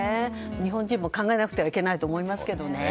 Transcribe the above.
日本人も考えなくてはいけないと思いますけどね。